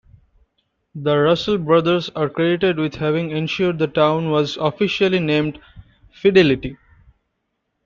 The Russell brothers are credited with having ensured the town was officially named "Fidelity".